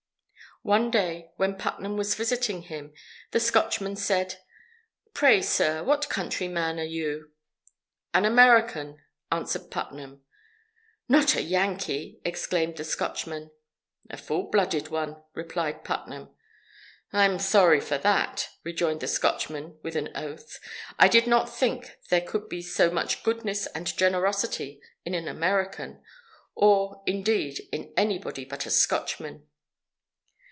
One day, when Putnam was visiting him, the Scotchman said: "Pray, sir, what countryman are you?" "An American," answered Putnam. "Not a Yankee!" exclaimed the Scotchman. "A full blooded one," replied Putnam. "I'm sorry for that!" rejoined the Scotchman with an oath. "I did not think there could be so much goodness and generosity in an American, or, indeed, in anybody but a Scotchman!"